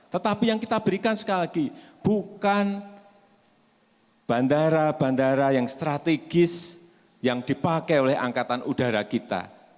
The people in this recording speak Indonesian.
tetapi yang kita berikan sekali lagi bukan bandara bandara yang strategis yang dipakai oleh angkatan udara kita